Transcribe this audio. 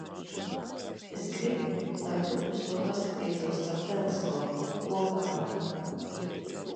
Es gribu, lai tu uz to paskatītos caur teleskopu - kopā ar mani.